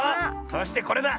そしてこれだ。